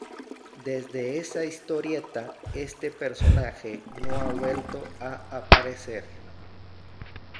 Desde esa historieta este personaje no ha vuelto a aparecer.